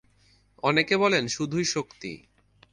অনেকে বলেন শুধুই শক্তি।